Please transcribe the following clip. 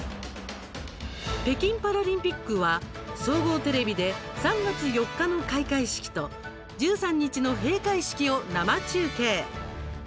北京パラリンピックは総合テレビで３月４日の開会式と１３日の閉会式を生中継。